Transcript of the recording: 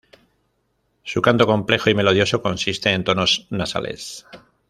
Su canto complejo y melodioso consiste en tonos nasales.